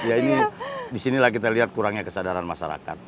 ya ini disinilah kita lihat kurangnya kesadaran masyarakat